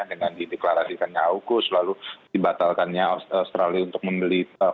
dengan dideklarasikannya aukus lalu dibatalkannya australia untuk membeli